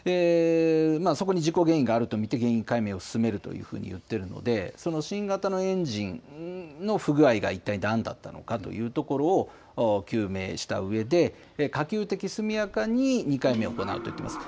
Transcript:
そこに事故原因があると見て、原因解明を進めるというふうに言っているので、その新型のエンジンの不具合が一体何だったのかというところを究明したうえで、可及的速やかに２回目を行うと言っています。